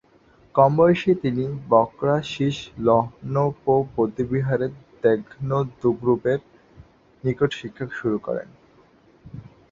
কম বয়সে তিনি ব্ক্রা-শিস-ল্হুন-পো বৌদ্ধবিহারে দ্গে-'দুন-গ্রুবের নিকট শিক্ষা শুরু করেন।